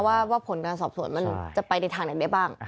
ว่าผลการสอบสวนมันจะไปในทางไหนได้บ้าง